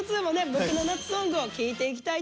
「ボクの夏ソング」を聞いていきたいと思います。